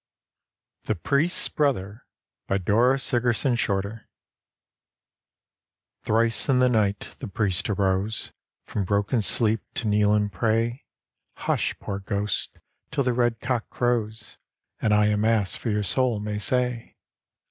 '^ THE PRIEST'S BROTHER : dora sigerson SHORTER Thrice in the night the priest arose From broken sleep to kneel and pray. " Hush, poor ghost, till the red cock crows, And I a Mass for your soul may say."